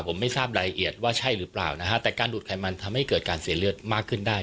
ผมไม่ทราบรายละเอียดว่าใช่หรือเปล่านะฮะแต่การดูดไขมันทำให้เกิดการเสียเลือดมากขึ้นได้